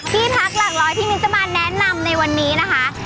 ที่พักหลักร้อยที่มิ้นจะมาแนะนำในวันนี้นะคะ